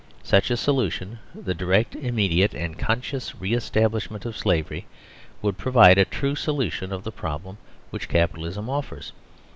Such a solution, the direct, im mediate, and conscious re establishment of slavery, would provide a true solution of the problems which Capitalism offers.